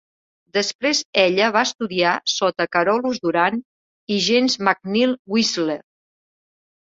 Després ella va estudiar sota Carolus-Duran i James McNeill Whistler.